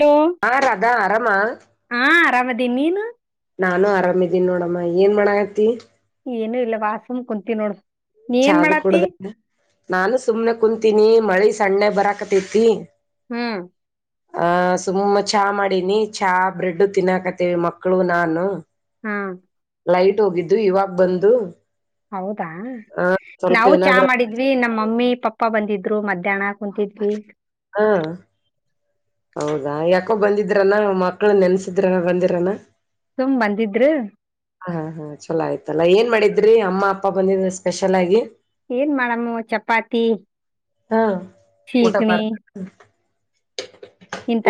Hello ಹಾರಾದ ಆರಾಮ ಆರಾಮ್ ಇದ್ದೀನಿ ನೀನು ನಾನು ಆರಾಮಿದೀನಿ ನೋಡಮ್ಮ ಏನ್ ಮಾಡಕತಿ ಏನು ಇಲ್ಲ ವಾ ಸುಮ್ನೆ ಕುಂತೀನಿ ನೋಡು ನೀ ಏನ್ ಚಾದ [unintelligible] ಮಾಡಾತಿ ಕುೂಡ್ದ ನಾನು ಸುಮ್ನೆ ಕುಂತೀಿನಿ ಮಳಿ ಸಣ್ಣೆ ಬರಾಕತೇತಿ ಹ್ಮ್ ಆಹ ಸುಮ್ಮ ಚಹಾ ಮಾಡಿನಿ ಚಾ ಬ್ರೆಡ್ಡು ತಿನ್ನಾಕತ್ತೇವಿ ಮಕ್ಕಳು ನಾನು ಹ್ಮ ಲೈಟ್ ಹೋಗಿದ್ದು ಇವಾಗ ಬಂದು ಹೌದಾ ಆ ಸ್ವಲ್ಪ ನಾವು ಚಾ ಏನಾದ್ರ ಮಾಡಿದ್ವಿ ನಮ್ಮ ಮಮ್ಮಿ ಪಪ್ಪ ಅಪ್ಪ ಬಂದಿದ್ರು ಮಧ್ಯಾಹ್ನ ಕುೂಂತಿದ್ವಿ ಹ್ಮ್ ಹೌದಾ ಯಾಕೋ ಬಂದಿದ್ರನಾ ಮಕ್ಳ ನೆನ್ಸಿದ್ರ ಬಂದಿರನ ಸುಮ್ ಬಂದಿದ್ರು ಹ ಹ ಹಾ ಚಲೋ ಆಯತಲ್ಲಾ ಏನ್ ಮಾಡಿದ್ರಿ ಅಮ್ಮ ಅಪ್ಪ ಬಂದಿದ ಸ್ಪೆಷಲ್ ಆಗಿ ಏನ್ ಮಾಡಮ್ಮ ಚಪಾತಿ ಹಾ ಊಟ ಚೀಕಣಿ ಮಾಡ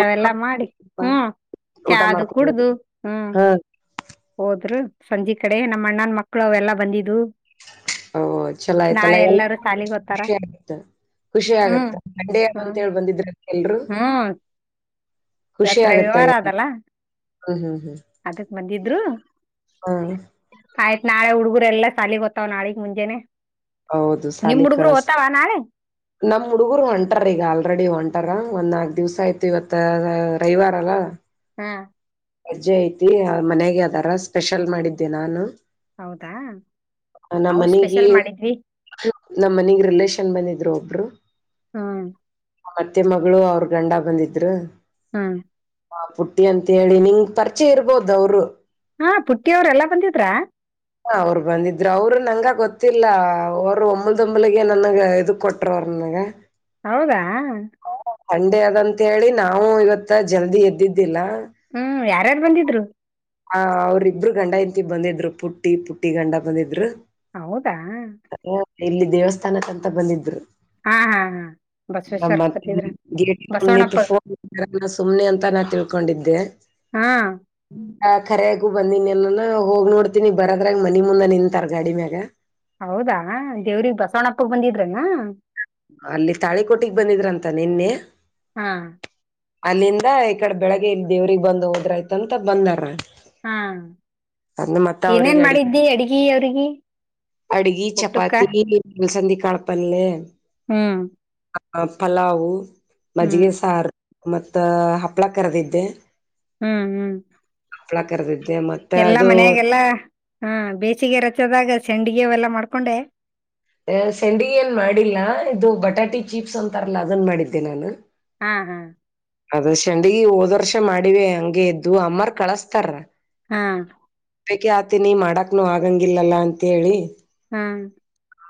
ಊಟ ಮಾಡಿ ಹ್ಮ್ ಮಾಡ್ಕೊಂಡ ಊಟ ಚಾದು ಮಾಡ್ಕೊಂಡ ಕುಡ್ದು ಹ್ಮ್ ಹಾ ಹೋದ್ರು ಸಂಜೆ ಕಡೆ ನಮ್ಮ ಅಣ್ಣನ ಮಕ್ಳು ಅವೆಲ್ಲಾ ಬಂದಿದ್ದು ಓ ಚಲೋ ಆಯ್ತಲ್ಲ ಎಲ್ಲ ಎಲ್ಲಾರು ಸಾಲಿಗ್ ಹೋತಾರ ಖುಷಿ ಆಗತ್ತ ಖುಷಿ ಆಗತ್ತಂಡೇ ಅಂತೇಳಿ ಬಂದಿದ್ರೆ ಹ್ಮ ಖುಷಿ ರಾತ್ರೆ ಆಗತ್ತೆ ವ್ಯವಹಾರ ಅದಲ್ಲ ಅದಕ್ ಬಂದಿದ್ರು ಹಾ ಆಯ್ತ್ ನಾಳೆ ಹುಡ್ಗುರು ಎಲ್ಲ ಸಾಲಲಿ ಗೊತ್ತ್ ನಾಳಗ್ ಮುಂಜಾನೆ ಹೌದು ನಿಮ್ ಸಾಲಿ ಹುಡುಗರು ಕಳಸ ಓದ್ತಾವ ನಾಳೆ ನಮ ಹುಡುಗರು ಹೊಂಟರ ಈಗ ಆಲ್ರೆಡಿ ಒಂಟ ಟಾರ ಒಂದ್ ನಾಕಕ್ ದಿವಸ ಆಯತು ಇವತ್ತ ರವಿವಾರಲ್ಲಾ ಹಾ ಅಜ್ಜೆ ಐತಿ ಮನೆಗೆ ಅದರ ಸ್ಪೆಷಲ್ ಮಾಡಿದ್ದೆ ನಾನು ಹೌದಾ ನಮ್ಮ್ ನಾವು ಮನಗೆ ಸ್ಪೆಷಲ್ ಮಾಡಿದ್ವಿ ನಮ್ಮ್ ಮನಗ್ ರಿಲೇಷನ್ ಬಂದಿದ್ದ ಬಂದಿದ್ರು ಒಬ್ರು ಹಾ ಮತ್ತೆ ಮಗಳು ಅವ್ರ ಗಂಡ ಬಂದಿದ್ರು ಹ್ಮ್ ಹ ಪುಟ್ಟಿ ಅಂತ ಹೇಳಿ ನಿಂಗ್ ಪರಿಚಯ ಇರ್ಬೋದು ಅವರು ಹಾ ಪುಟ್ಟಿ ಅವ್ರ ಎಲ್ಲಾ ಬಂದಿದ್ರ ಹ ಅವ್ರು ಬಂದಿದ್ರರು ಅವರು ನಂಗ ಗೊತ್ತಿಲ್ಲ ಅವರು ಒಂಬಲ್ದೊಂಬಲಿಗೆ ನನ್ಗ್ ಇದ ಕೊಟ್ರ ಅವರು ಅಗೆ [unintelligible] ಹೌದಾ ಸಂಡೆ ಅದಂತ ಹೇಳಿ ನಾವು ಇವತ್ತ ಜಲ್ದಿ ಎದ್ದಿದ್ದಿಲ್ಲ ಹ್ಮ್ ಯಾರ್ಯಾರು ಬಂದಿದ್ರು ಹ ಅವ್ರಿಬ್ರು ಗಂಡ ಹೆಂಡತಿ ಬಂದಿದ್ರು ಪುಟ್ಟಿ ಪುಟ್ಟಿ ಗಂಡ ಬಂದಿದ್ರು ಹೌದಾ. ಆ, ಇಲ್ಲಿ ದೇವಸ್ಥಾನಕ್ಕಂತ ಬಂದಿದ್ರು. ಹಾ ಹಾ ಹಾ ನಮ್ಮ ಬಸವೇಶ್ವರ್ ಬತ್ತಿದ್ರ ಬಸವಣ್ಣಪ್ಪ [unintelligible] ಫೋನ್ ಗುರು ಸುಮ್ನೆ ಅಂತ ನಾ ತಿಳ್ಕೊಂಡಿದ್ದೆ. ಹಾ ಹ ಕರೆಗೂ ಬಂದೀನಿ ಎಲ್ಲಾ ಹೋಗಿ ನೋಡ್ತೀನಿ ಬರದ್ರಾಗ ಮನಿ ಮುಂದೆ ನಿಂತಾರ ಗಾಡಿ ಮ್ಯಾಗ. ಹೌದಾ ದೇವ್ರಿಗ್ ಬಸವಣಪ್ಪಗ್ ಬಂದಿದ್ರನಾ. ಅಲ್ಲಿ ತಾಳಿಕೋಟಿಗ್ ಬಂದಿದ್ರಂತ ನಿನ್ನೆ. ಹಾ ಅಲ್ಲಿಂದ ಈ ಕಡೆ ಬೆಳಗ್ಗೆ ಇಲ್ಲಿ ದೇವ್ರಗ್ ಬಂದ್ ಹೋದ್ರಾಯತಂತ ಬಂದಾರ. ಹಾ ಅಂದ್ ಮತ್ತ ಏನೇನ್ ಅವ್ರಿಗೆ ಅಡ್ಗಿ ಮಾಡಿದ್ದಿ ಅಡ್ಗ ಅವ್ರಿಗಿ. ಅಡ್ಗಿ ಊಟಕ್ಕ ಚಪಾತಿ [unintelligible] ಅಲ್ಸಂದಿ ಕಾಳಪಲ್ಲೆ ಹ್ಮ್ ಅ ಪಲಾವು ಹ್ಮ್ ಮಜ್ಗೆ ಸಾರ್ ಮತ್ತ ಹಪ್ಳ ಕರೆದಿದ್ದೆ. ಹ್ಮ್ ಹ್ಮ್ ಹಪ್ಲ ಕರ್ದಿದ್ ಎಲ್ಲಾ ಮನೆಯಾಗೆಲ್ಲ ಹ ಬೇಸಿಗೆ ರಜದಾಗ ಸಂಡಿಗೆ ಅವೆಲ್ಲ ಮಾಡ್ಕೊಂಡೆ. ಎ ಸೆಂಡಿ ಏನ್ ಮಾಡಿಲ್ಲಾ ಇದು ಬಟಾಟಿ ಚೀಪ್ಸ್ ಅಂತಾರಲ್ಲ ಅದನ್ ಮಾಡಿದ್ದೆ ನಾನು. ಹಾ ಹಾ ಅದ ಶಂಡಗಿ ಹೋದ್ ವರ್ಷ ಮಾಡಿವೆ ಹಂಗೆ ಇದ್ವು ಅಮ್ಮರ್ ಕಳಸ್ತಾರ. ಹಾ ಬೇಕೆ ಆತೀನಿ ಮಾಡಕ್ನು ಆಗಂಗಿಲ್ಲಲ್ಲ ಅಂತ ಹೇಳಿ. ಹಾ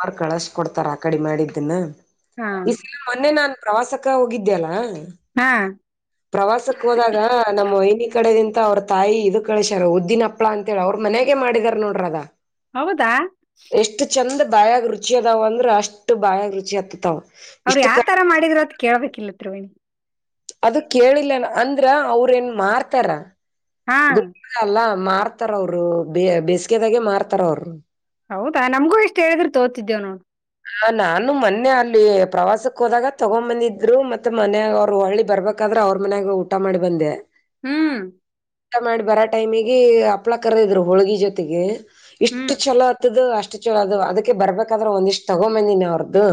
ಆರ್ ಕಳಸ್ ಕೊಡ್ತಾರ ಆ ಕಡೆ ಮಾಡಿದ್ದನ್ನ ಹಾ ಈ ಸಲ ಮೊನ್ನೆ ನಾನ್ ಪ್ರವಾಸಕ್ ಕ್ಕ ಹೋಗಿದ್ದ್ಯಲ್ಲಾ ಹಾ ಪ್ರವಾಸಕಕ್ಕ್ ಹೋದಾಗ ನಮ್ಮ ವೈನಿಕ್ ಕಡೆದಿಂದ ಅವ್ರ ತಾಯಿ ಇದ್ ಕಳ್ಸ್ಯಾರ ಉದ್ದಿನ ಹಪ್ಪಳ ಅಂತ ಹೇಳಿ ಅವ್ರ್ ಮನೆಗೆ ಮಾಡಿದಾರ್ ನೋಡ್ರ್ ಅದ ಹೌದಾ ಬಾಯಾಗ್ ರುಚಿ ಅದಾವ ಅಂದ್ರ್ ಅಷ್ಟ್ ಬಾಯಾಗ್ ರುಚಿ ಹತ್ತತಾವ್. ಅವ್ರ್ ಯಾವ್ ತರ ಮಾಡಿದ್ರು ಅಂತ್ ಕೇಳ್ಬೇಕಿಲ್ಲ ತ್ರಿವೇಣಿ. ಅದು ಕೇಳಿಲ್ಲನ್ ಅಂದ್ರ ಅವ್ರ ಏನ್ ಮಾರ್ತಾರ. ಹಾ ಮಾರ್ತಾರ್ ಅವ್ರು ಬೇಸಿಗೆದಾಗೆ ಮಾರ್ತಾರ್ ಅವ್ರು. ಹೌದಾ ನಮ್ಗು ಇಷ್ಟ್ ಹೇಳಿದ್ರು ತಗೋತಿದ್ದೇವ್ ನೋಡ್ ಹಾ ನಾನು ಮೊನ್ನೆ ಅಲ್ಲಿ ಪ್ರವಾಸಕ್ ಹೋದಾಗ ತಗೊನ್ ಬಂದಿದ್ರು ಮತ್ತೆ ಮನ್ಯಾಗ ಅವ್ರು ಒಳ್ಳಿ ಬರ್ಬೇಕಾದ್ ಆದ್ರೆ ಅವ್ರ ಮನ್ಯಾಗ ಊಟ ಮಾಡ್ ಬಂದೆ. ಹ್ಮ್ ಊಟ ಮಾಡಿ ಬರೋ ಟೈಮಿಗೆ ಹಪ್ಳ ಕರ್ದಿದ್ರು ಹೋಳ್ಗಿ ಜೊತೆಗೆ ಎಷ್ಟು ಹ್ಮ್ ಛಲೋ ಆತ್ತದ ಅಷ್ಟ್ ಚಲೋ ಅದು ಅದಕ್ಕೆ ಬರ್ಬೇಕಾದ್ರೆ ಒಂದಿಷ್ಟ್ ತಗೊ ಬಂದೀನಿ ಅವ್ರದ್ದು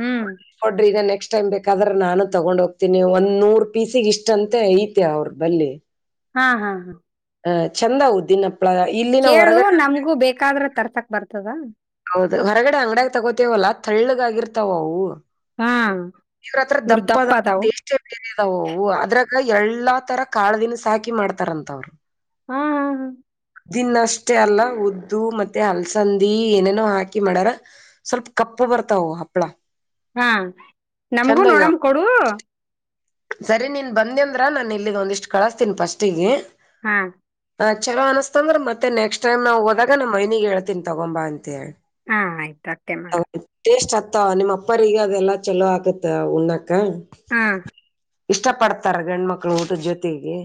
ಹ್ಮ್ [unintelligible] ನೆ ನೆಕ್ಸ್ಟ್ ಟೈಮ್ ಬೇಕಾದ್ರೆ ನಾನು ತಗೊಂಡ್ ಹೋಗ್ತೀನಿ ಒಂದ್ ನೂರ್ ಪೀಸಿಗೆ ಇಷ್ಟ್ ಅಂತ ಐತೆ ಅವ್ರ ಬಲ್ಲಿ. ಹಾ ಹಾ ಹಾ ಅ ಚಂದ ಉದ್ದಿನ್ ಹಾಪ್ಪ್ ಕೇಳು ನಮ್ಗೂ ಬೇಕಾದ್ರ ತರ್ತಕ್ ಬರ್ತದ. ಹೌದ್ ಹೊರಗಡೆ ಅಂಗ್ಡ್ಯಾಗ್ ತಗೋತೇವಲ್ಲಾ ತಳ್ಳಗಾಗಿರ್ತಾವ್ ಅವು. ಹಾ ಇವ್ರತ್ರ ಇವ್ರ ದಪ್ಪ ದಪ್ಪದ ಅದಾವು ಟೇಷ್ಟ್ [unintelligible] ಇದದಾವವು ಅದ್ರಗ್ ಎಲ್ಲಾ ತರ ಕಾಳ್ ದಿನ್ಸಾಕಿ ಮಾಡ್ತಾರಂತ ಅವ್ರು. ಹಾ ಹಾ ಹಾ ದಿನ್ನಷ್ಟೇ ಅಲ್ಲ ಉದ್ದು ಮತ್ತೆ ಅಲ್ಸಂದಿ ಏನೇನೋ ಹಾಕಿ ಮಾಡಾರ ಸ್ವಲ್ಪ್ ಕಪ್ಪ್ ಬರ್ತವ್ ಹಪ್ಲ ಹಾ ನಮಗೂ ನೋಡಂಗ್ ಕೊಡು ಸರಿ ನೀನ್ ಬಂದ ಅಂದ್ರ ನಾನ ಇಲ್ಲಿ ಒಂದಿಷ್ಟು ಕಳಸ್ತೀನಿ ಫಸ್ಟಿಗೆ. ಹಾ ಹ ಚಲೋ ಅನಸ್ತ ಅಂದ್ರ ಮತ್ತೆ ನೆಕ್ಸ್ಟ್ ಟೈಮ್ ನಾವು ಹದಾಗ ನಮ್ಮ ಮನಿಗೆ ಹೇಳ್ತೀನಿ ತಗೊಂಬ ಅಂತೆಳಿ. ಹಾ ಆಯ್ತು ಅಷ್ಟೇ ಮಾಡು. ಮತ್ತ ನಿಮ್ಮ್ ಅಪ್ಪರಗ ಅದೆಲ್ಲಾ ಚಲೋ ಆಗತ್ತ ಉಣ್ಣಕ. ಹಾ ಇಷ್ಟ ಪಡ್ತಾರ ಗಂಡ ಮಕ್ಳ ಊಟದ್ ಜೊತೆಗೆ.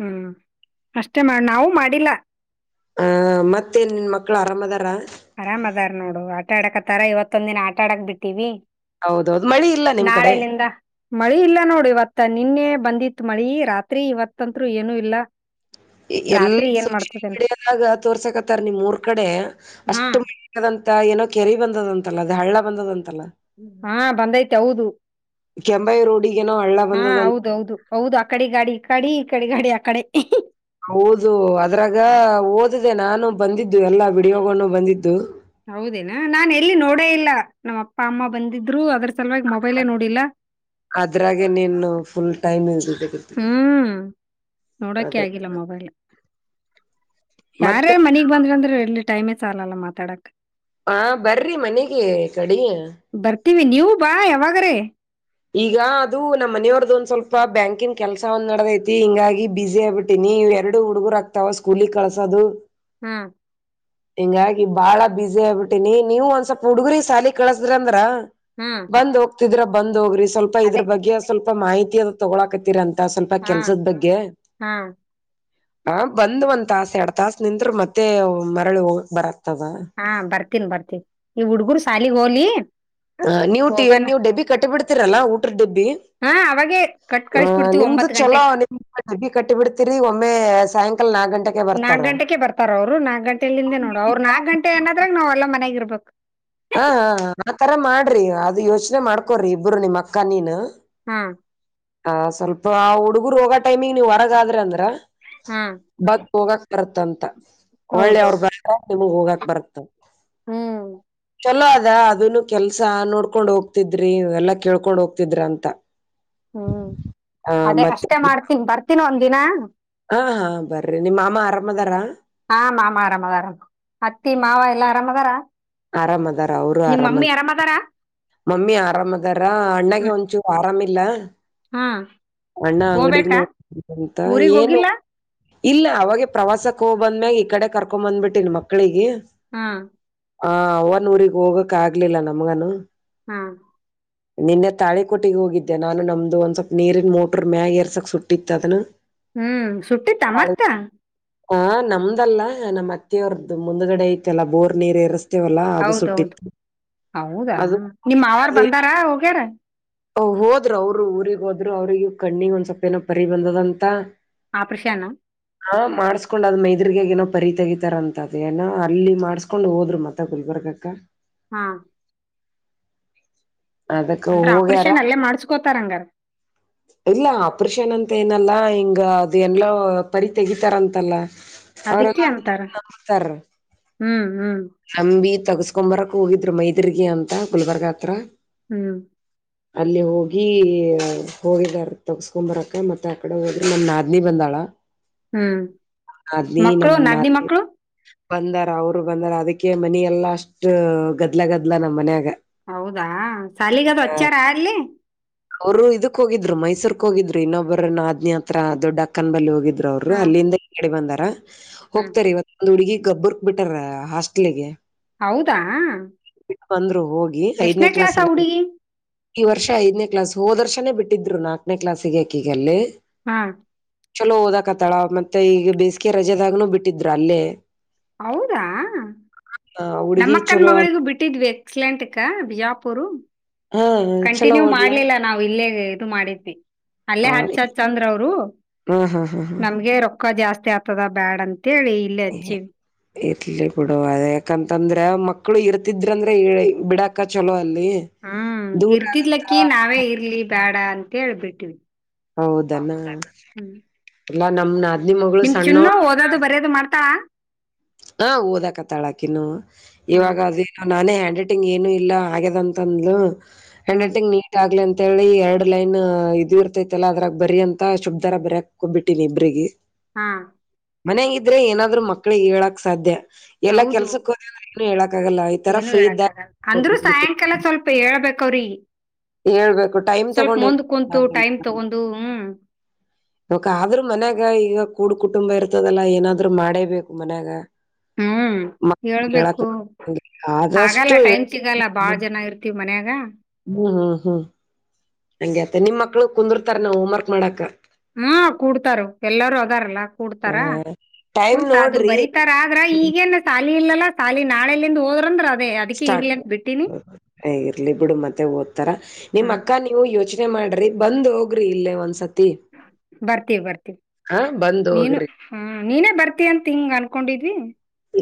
ಹ್ಮ್ ಅಷ್ಟೇ ಮಾಡ್ ನಾವು ಮಾಡಿಲ್ಲ. ಆ ಮತ್ತೇನ್ ಮಕ್ಳು ಆರಾಮ ಅದಾರ. ಆರಾಮ್ ಅದಾರ್ ನೋಡು ಆಟ ಆಡಕತ್ತಾರ ಇವತ್ತೊಂದ ದಿನ ಆಟ ಆಡಕ್ ಬಿಟ್ಟಿವಿ. ಹೌದೌದ್ ಮಳಿ ಇಲ್ಲ ನಿಮ್ ಕಡೆ ನಾಳೆಲಿಂದ ಮಳಿ ಇಲ್ಲ ನೋಡಿ ಇವತ್ತ ನಿನ್ನೆ ಬಂದಿತ್ತ್ ಮಳಿ ರಾತ್ರಿ ಇವತ್ತಂತ್ರು ಏನು ಇಲ್ಲ. ಎಲ್ಲಾ ರಾತ್ರಿ ಏನ್ ಸೋಷಿಯಲ್ ಮಾಡ್ತದೇನ್ ಮೀಡಿಯಾದಾಗ ತೋರ್ಸಕತ್ತಾರ ನಿಮ್ ಮೂರ್ ಕಡೆ ಹಾ ಅಷ್ಟು ಮಳೆಯದ್ ಅಂತ. ಮ ಏನೋ ಕೆರಿ ಬಂದದ ಅಂತಲ್ಲ ಅದ ಹಳ್ಳ ಬಂದದಂತ. ಹಾ ಬಂದೈತೆ ಹೌದು. ಕೆಂಬಾಯಿ ರೋಡಿಗೇನೋ ಹಳ್ಳ ಹಾ ಬಂದದಂತ ಹೌದೌದು ಹೌದು ಆ ಕಡೆ ಗಾಡಿ ಈ ಕಡಿ ಈ ಕಡೆ ಗಾಡಿ ಆ ಕಡೆ. ಹೌದು ಅದ್ರಾಗ ಓದಿದೆ ನಾನು ಬಂದಿದ್ದು ಎಲ್ಲ ಬಿಡಿ ಹೋಗೊಂಡು ಬಂದಿದ್ದು. ಹೌದೇನಾ ನಾನ್ ಎಲ್ಲಿ ನೋಡೇ ಇಲ್ಲ ನಮ್ಮ ಅಪ್ಪ ಅಮ್ಮ ಬಂದಿದ್ರು ಅದ್ರ. ಸಲುವಾಗಿ ಮೊಬೈಲೇ ನೋಡಿಲ್ಲ ಅದ್ರಾಗೆ ನೀನು ಫುಲ್ ಟೈಮ್ ಇ ಹ್ಮ್ ನೋಡೋಕೆ ಅದ ಆಗಿಲ್ಲ ಮೊಬೈಲ್. ಯಾರೇ ಮತ್ತೆ ಮನಗ್ ಬಂದ್ರ ಅಂದ್ರೆ ಎಲ್ಲಿ ಟೈಮೇ ಸಾಲ್ಲಲ್ಲ ಅಲ್ಲ ಮಾತಾಡಕ್. ಹಾ ಬರ್ರಿ ಮನೆಗೆ ಕಡಿ. ಕ್ವಿ ನೀವು ಬಾ ಯಾವಾಗ ರೇ ಈಗ ಅದು ನಮ್ಮ ಮನೆಯವರ್ದ ಒಂದ್ ಸ್ವಲ್ಪ ಬ್ಯಾಂಕಿನ್ ಕೆಲ್ಸ ಒಂದ್ ನಡ್ದೈತಿ ಹಿಂಗಾಗಿ ಬಿಝಿ ಆಗ್ಬಿಟ್ಟಿನಿ. ನೀವ ಎರಡು ಹುಡುಗರು ಆಗ್ತಾವ ಸ್ಕೂಲಗ್ ಕಳ್ಸೋದು. ಹ್ಮ್ ಹಿಂಗಾಗಿ ಬಾಳ ಬಿಸಿ ಆಗ್ಬಿಟ್ಟೀನಿ ನೀವ ಒಂದ್ ಸ್ವಲ್ಪ್ ಹುಡುಗರಿ ಶಾಲಿ ಕಳಸ್ದ್ರ ಅಂದ್ರ. ಹಾ ಬಂದ್ ಹೋಗ್ತಿದೀರ ಬಂದ್ ಹೋಗ್ರಿ ಸ್ವಲ್ಪ ಅದೇ ಇದ್ರ ಬಗ್ಗೆ ಸ್ವಲ್ಪ ಮಾಹಿತಿ ಅದ ತಗೊಳಾಕತ್ತೀರ ಅಂ ಅಂತ ಸ್ವಲ್ಪ ಹಾ ಕೆಲ್ಸದ ಬಗ್ಗೆ. ಹಾ ನಾನ್ ಬಂದ್ ಒಂದ್ ತಾಸ್ ಎರಡ್ ತಾಸ್ ನಿಂತ್ರೆ ಮತ್ತೆ ಮರಳಿ ಹೋಗಕ್ ಬರಲ್ ಹಾ ಬರ್ತೀನ್ ಬರ್ತನ್ ಈ ಹುಡ್ಗರ್ ಸಾಲಿಗ್ ಹೋಲಿ. ಹ ನೀವು ಹೋಗಣ ಟಿನೀವ್ ಡೆಬ್ಬಿ ಕಟ್ಟಿ ಬಿಡ್ತಿರಲ್ಲಾ ಊಟ್ರ ಡೆಬ್ಬಿ. ಹಾ ಅವಾಗೇ ಕಟ್ ಹ ಕಳಿಸ್ಬಿಡ್ತೀವಿ ನಿಮ್ದು ಒಂಬತ್ ಚಲೋ ಗಂಟೆಕ್ ನಿಮ್ ಡಬ್ಬಿ ಕಟ್ಟಿ ಬಿಡ್ತಿರಿ ಒಮ್ಮೆ ಸಾಯಂಕಾಲ ನಾಗ್ ನಾಕ್ ಗಂಟೆ ಬರ್ಾರ ಅವ್ರು ನಾಕ್ ಗಂಟೆಯಲ್ಲಿಿಂದ ನೋಡು ಅವರು ನಾಕಕ್ ಗಂಟೆಏನದ್ರ ನಾವ್ ಎಲ್ಲ ಮನಗ ಇರ್ಬಬೇಕ. ಓಕ್ ಹಾ ಹಾ ಆತರ ಮಾಡ್ರಿ ಅದು ಯೋಚನೆ ಮಾಡ್ಕೊರಿ ಇಬ್ಬರು ನಿಮ್ಮ ಅಕ್ಕ ನೀನು. ಹ್ಂ ಹ ಸ್ವಲ್ಪ ಹುಡುಗರು ಹೋಗ ಟೈಮಿಂಗ ನೀವ್ ಹೊರಗಾದ್ರ ಅಂದ್ರ. ಹಾ ಬತ್ ಹೋಗಕ್ ಬರುತಂತ. ಒಳ್ಳಿ ಅವ್ರ ಹೌದೌದು ಬ್ರ ನಿಮಗ್ ಹೋಗಕ್ ಬರತ್ತ. ಹ್ಮ್ ಚಲೋ ಅದ ಅದನು ಕೆಲ್ಸ ನೋಡ್ಕೊಂಡ್ ಹೋಗ್ತಿದ್ರಿ ಎಲ್ಲಾ ಕೇಳ್ಕೊಂಡ್ ಹೋಗ್ತಿದ್ರ ಅಂತ. ಹ್ಮ್ ಆ ಅದೇ ಮತ್ತೆ ಅಷ್ಟೇ ಮಾಡ್ತಿನ್ ಬರ್ತೀನ್ ಒಂದ್ ದಿನ. ಹಾ ಹಾ ಬರ್ರಿ ನಿಮ್ಮ ಮಾಮ್ಮ ಆರಾಮದಾರ. ಹಾ ಮಾಮ ಆರಾಮ್ ಅದಾರ ಅತ್ತಿ ಮಾವ ಎಲ್ಲಾ ಆರಾಮ ಆರಾಮ ಅದಾರ ಅವರು ಮಮ್ಮಿ ಆರಾಮದ. ಆರಾಮದಾರ ಮಮ್ಮಿ ಆರಾಮದಾರ ಅಣ್ಣಗೆ ಹ್ಮ್ ಒಂಚೂರ್ ಆರಾಮಿಲ್ಲ. ಹಾ ಅಣ್ಣ ಹೋಗ್ಬೇಕಾ ಅಂಗಡಿಗ್ನು ಅಂತ ಊರಿಗ್ ಏನು. ಹೋಗಿಲ್ಲ ಇಲ್ಲ ಅವಾಗೆ ಪ್ರವಾಸಕ್ಕೆ ಹೋಗ್ ಬಂದ್ಮ್ಯಾಗ ಈ ಕಡೆ ಕರ್ಕೊ ಬಂದ್ಬಿಟ್ಟಿನ್ ಮಕ್ಳಿಗೆ. ಹಾ ಆ ಅವನ್ ಊರಿಗೆ ಹೋಗಕ್ ಆಗ್ಲಿಲ್ಲ ನಮ್ಗನು. ಹಾ ನಿನ್ನೆ ತಾಳಿ ಕೊಟ್ಟಿಗೆ ಹೋಗಿದ್ದೆ ನಾನು ನಮ್ದು ಒಂದ್ ಸ್ವಲ್ಪ ನೀರಿನ ಮೋಟ್ರರ್ ಮ್ಯಾಗ ಎರ್ಸಕ್ ಸುಟ್ಟಿತ್ತ ಅದನ ಹ್ಮ್ ಸುಟ್ಟಿ ತ ಮತ ಹ ನಮ್ದಲ್ಲ ನಮ್ಮ್ ಅತ್ತೆಯವರದ್ದ ಮುಂದ್ಗಡೆ ಐತೆಲ್ಲಾ ಬೋರ್ ನೀರ್ ಇರಿಸತ ಹೌದೌದು ಹೌದಾ ಅದು ನಿಮ್ಮ ಹೋಗಿದ್ವಿ ಅವಾರ್ ಅದು ಬಂದಾರಾ ಹೋಗ್ಯಾರ ಹೋದ್ರು ಅವ್ರು ಊರಿರಿಗೆ ಹೋದ್ರು ಅವ್ರಿಗೂ ಕಣ್ಣಿ ಒಂದ್ವೊಪ ಏನೋ ಪರಿ ಬಂದದಂತ ಆ ಪ್ರಶಾನ ಹಾ ಮಾಡ್ಸ್ಕೊಂಡ್ ಅದ್ ಮೈದ್ರಗ ಏನೋ ಪರಿ ತಗೀತಾರ ಅಂತ ಅದ ಏನ ಅಲ್ಲಿ ಮಾಡ್ಸ್ಕೊಂಡ್ ಹೋದ್ರು ಮತ್ತ ಗುಲ್ಬರ್ಗ ಕ್ಕ ಹಾ ಅದಕ್ಕ ಅಂದ್ರ ಹೋಗ್ಯಾರ ಆಪರೇಷನ್ ಅಲ್ಲೇ ಮಾಡ್ಸ್ಕೊತಾರ ಹಂಗಾರ ಇಲ್ಲ ಅಪರಿಷನ್ ಅಂತ ಮ ಏನಲ್ಲಾ ಹಿಂಗ ಅದು ಎಲ್ಲೋ ಪರಿ ತೆಗಿತಾರಂತಲ್ಲ ಅವ್ರ ಅದಕ್ಕೆ ಅಂತಾರ ನತಾರ ಹ್ಮ್ ಹ್ಮ್ ಸಂಂಬೀತ್ ತಗಸ್ಕೊ್ ಬರಕ್ ಹೋಗಿದ್ರು ಮೈದರ್ಗಿ ಅಂತ ಗುಲ್ಬರ್ಗ ಹತ್ರ ಹ್ಮ್ ಅಲ್ಲಿ ಹೋಗಿ ಹೋಗಿದಾರ ತಗಸ್ಕೊಂಬರಕ ಮತ್ತೆ ಆ ಕಡೆ ಹೋದ್ರೆ ನಮ ನಾದ್ನಿ ಬಂದಾಳ ಹ್ಮ್ ನಾದ್ನಿ ಮಕ್ಕಳು ನಮ್ ನಾದ್ನಿ ಮಕ್ಕಳು ಬಂದಾರ ಅವರು ಬಂದಾರ ಅದಕ್ಕೆ ಮನ ಎಲ್ಲಾ ಅಷ್ಟ್ ಗದ್ಲ ಗದ್ಲ ನಮ್ಮ್ ಮನ್ಯಾಗ ಹೌದಾ ಸಾಲಗದು ಹಚ್ಚಾರ ಅಲಿ ಅವ್ರು ಇದಕ್ ಹೋಗಿದ್ರು ಮೈಸೂರ್ಕ್ ಹೋಗಿದ್ರು ಇನ್ನೊಬ್ಬರ ನಾದ್ನಿ ಹತ್ರ ದೊಡ್ಡಕ್ಕನ್ ಬಲ್ಲಿ ಹೋಗಿದ್ರು ಅವರು ಹ್ಮ್ ಅಲ್ಲಿಂದ ಈ ಕಡೆ ಬಂದಾರ ಹ್ಮ್ ಹೋಗ್ತಾರೆ ಇವತ್ತೊ ಹುಡುಗಿ ಗಬ್ಬುರ್ಕ್ ಬಿಟಾರ ಹಾಸ್ಟೆಲ್ ಗೆ ಹೌದಾ ಅಂದ್ರು ಹೋಗಿ ಐದನೇ ಎಷ್ಟನೇ ಕ್ಲಾಸ್ ಆ ಎಲ್ಲ ಹುಡುಗಿ ಈ ವರ್ಷ ಐದನೇ ಕ್ಲಾಸ್ ಹೋದ ವರ್ಷನೇ ಬಿಟ್ಟಿದ್ರು ನಾಲ್ಕನೇ ಕ್ಲಾಸ್ಗ ಅಕಿಗ್ ಅಲ್ಲಿ ಹಾ ಚಲೋ ಓದಕತ್ತಾಳ ಮತ್ತೆ ಈಗ ಬೇಸಿಗೆ ರಜಾದಾಗನೂ ಬಿಟ್ಟಿದ್ರ ಅಲ್ಲೇ ಹೌದಾ ಆ ಹುಡ್ಗಿ ನಮ್ಮಕ್ಕನ್ ಚಲೋ ಮಗಳಿಗೂ ಬಿಟ್ಟಿದ್ವಿ ಎಕ್ಸಲೆಂಟಕ್ಕ ಬಜಾಪೂರು ಹಾ ಚಲೋ ಕಂಟಿನ್ಯೂ ಓದ್ಲ ಮಾಡ್ಲಿಲ್ಲ ನಾವ್ ಇಲ್ಲೇ ಇದು ಮಾಡಿದ್ವಿ ಅಲ್ಲೇ ಹಾ ಹಚ್ಚ ಹಚ್ಚಂದ್ರ ಅವರು ಹಾ ಹಾ ಹಾ ನಮ್ಗೆ ರೊಕ್ಕ ಜಾಸ್ತಿ ಆಗ್ತದ ಬ್ಯಾಡ ಅಂತ ಅಂತೇಳಿ ಇಲ್ಲೇ ಹಚ್ಚೀವಿ ಇರ್ಲಿ ಬಿಡು ಅದ ಯಾಕಂತಂದ್ರ ಮಕ್ಕಳು ಇರ್ತಿದ್ರಂದ್ರೆ ಬಿಡಾಕ ಚಲೋ ಅಲ್ಲಿ ಹ್ಮ್ ದೂರ ಆಗತ್ತ ಇರ್ತಿದ್ಲಕ್ಕಿ ನಾವೇ ಇರ್ಲಿ ಬೇಡ ಅಂತ ಹೇಳ್ಬಿಟ್ಟವಿ ಹೌದನಾ ಎಲ್ಲ ನಮ್ನ ನಿಮ ಚಿನ್ನು ಓದೋದು ಬರಯೋದು ಮಾಡ್ತಾ ಹಾ ಓದಕತಾಳಾಕಿನ್ನು ಹ್ಮ್ ಇವಾಗ ಅದೇನೋ ನಾನೇ ಹ ರೈಟಿಂಗ್ ಏನು ಇಲ್ಲ ಆಗ್ಯದ ಅಂತ ಅಂದ್ಲು ಹ್ಯಾಂಡ್ ಹ್ಮ್ ರೈಟಿಂಗ್ ನೀಟ್ ಆಗ್ಲಿ ಅ ಅಂತ ಹೇಳಿ ಎರಡ್ ಲೈನ್ ಇದು ಇರ್ತೈತೆಲ್ಲ ಅದಾಗ ಬರಿ ಅಂತ ಶುಭ್ದರ ಬರಯಕ್ ಹೋಗ್ಬಿಟ್ಟಿನಿ ಇಬ್ರಿಗೆ ಹಾ ಮನೆಯಾಗ್ ಇದ್ರೆ ಏನಾದ್ರು ಮಕ್ಳಿಗೆ ಹೇಳಕ್ ಸಾಧ್ಯ ಎಲ್ಲಾ ಹೌದು ಕೆಲ್ಸಕ್ ಏನು ಹೇಳಕ್ ಏನು ಹೇಳಕ್ ಆಗಲ್ಲ ಅಂದ್ರು ಸಾಯಂಕಾಲ ಸ್ವಲ್ಪ ಹೇಳ್ಬೇಕವ್ರಿಗೆ ಹೇಳ್ಬೇಕು ಟೈಮ್ ತಗೊಂಡ ಟೈಮ್ ತಗೊಂಡು ಹ್ಮ್ ಅ ಆದ್ರು ಮನ್ಯಾಗ ಈಗ ಕೂಡ್ ಕುಟುಂಬ ಇರ್ತದಲ್ಲ ಏನಾದ್ರು ಮಾಡೇಬೇಕು ಮನ್ಯಾಗ ಹ್ಮ ಹ್ಮ್ ಮಕ್ಳಿಗ್ ಹೇಳಾಕ್ ಹೇಳ್ಬೇಕು ಹಾಗಲ್ಲ ಆದಷ್ಟು ಟೈಮ್ ಹೇಳ್- ಸಿಗಲ್ಲ ಬಾಳ ಜನ ಇರ್ತಿವ ಮನ್ಯಾಗ ಹ್ಮ್ ಹ್ಮ್ ಹ್ಮ್ ಹಗೆ ಆತ ನಿಮ್ ಮಕ್ಳು ಕುಂದರ್ತಾರ್ ಏನ್ ಹೋಮ್ವರ್ಕ್ ಮಾಡಕ್ ಹ್ಮ ಕೂಡ್ತಾರ ಎಲ್ಲರೂ ಅದಾರಲ್ಲ ಕೂಡ್ತಾರ ಟೈಮ್ ಕುಂತು ಅದು ನೋಡ್ರಿ ಬರೀತಾರ ಆದ್ರ ಈಗೇನ್ ಸಾಲಿ ಇಲ್ಲಲ್ಲ ಸಾಲಿ ನಾಳೆಲಲಿಂದ ಹೋದ್ರಂದ್ರ ಅ ಸ್ಟಾರ್ಟ್ ಇರ್ಲಿ ಬಿಡು ಮತ್ತೆ ಓದ್ತಾರ ನಿಮ್ಮ್ ಹ್ಮ್ ಅಕ್ಕ ನೀವು ಯೋಚ ಮಾಡ್ರಿ ಬಂದ್ ಹೋಗ್ರಿ ಇಲ್ಲೇ ಒಂದ್ಸತ್ ಬರ್ತೀವಿ ಬರ್ತೀವಿ ಹಾ ಬಂದ್ ನೀನು ಹೋಗ್ರಿ ಹ ನೀನೇ ಬರ್ತಿ ಅಂತ ಹಿಂಗ್ ಅನ್ಕೊಂಡಿದ್ವಿ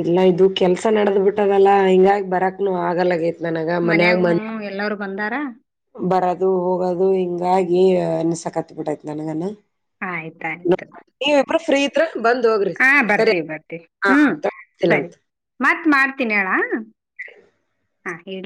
ಇಲ್ಲ ಇದು ಕೆಲ್ಸ ನಡ್ದ್ ಬಿಟ್ಟದಲ್ಲಾ ಹಿಂಗಾಗಿ ಬರಕ್ನು ಆಗಲ್ಲಗೈತ್ ನನಗ ಮನ್ಯಾಗ ಬಂದ ಬಂದಾರಾ ಬರೋದು ಹೋಗೋದು ಹಿಂಗಾಗಿ ಅನ್ಸಕತ್ ಬಿಟ್ಟೈತ್ ನನಗನ ಆಯ್ತ್ ಆಯ್ತ್ ನೀವ ಇಬ್ರ ಫ್ರೀ ಇದರ್ ಬಂದ್ ಹೋಗ್ರಿ ಹಾ ಸರಿ ಬರ್ತೀವಿ ಹತ ತಿನಂತ ಮತ್ತ್ ಮಾಡ್ತೀನಿ ಹೇಳ ಹ [unintelligible] ಹಾ ಹೇಳಿ